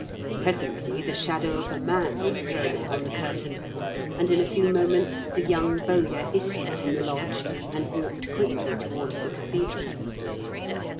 Presently the shadow of a man was thrown upon the curtain, and in a few moments the young bowyer issued from the lodge, and walked quickly towards the cathedral.